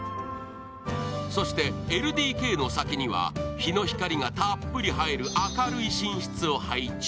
そしてＬＤＫの先には日の光がたっぷり入る明るい寝室を配置。